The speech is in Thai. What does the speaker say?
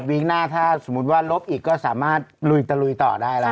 วีคหน้าถ้าลบอีกก็สามารถลุยตะลุยต่อได้แล้ว